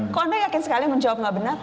kok anda yakin sekali menjawab gak benar